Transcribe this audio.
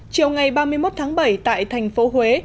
chiều ngày ba mươi một tháng bảy tại thành phố huế